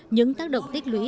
những tác động tích lũy